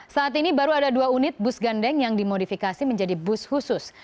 saat ini baru ada dua unit bus gandeng yang dimodifikasi menjadi bus khusus